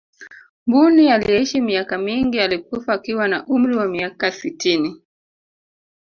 mbuni aliyeishi miaka mingi alikufa akiwa na umri wa miaka sitini